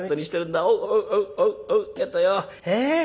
「えっ？